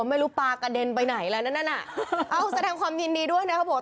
ไม่รู้ปลากระเด็นไปไหนแล้วนั่นอ่ะเอ้าแสดงความยินดีด้วยนะเขาบอก